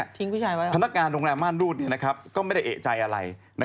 กลัวว่าผมจะต้องไปพูดให้ปากคำกับตำรวจยังไง